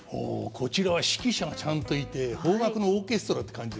こちらは指揮者がちゃんといて邦楽のオーケストラって感じですね。